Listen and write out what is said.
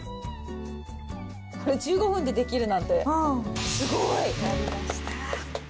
これ１５分で出来るなんて、すごい。やりました。